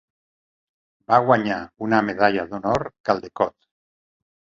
Va guanyar una Medalla d'Honor Caldecott.